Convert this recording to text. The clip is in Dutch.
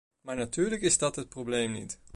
Maar natuurlijk is dat het probleem niet.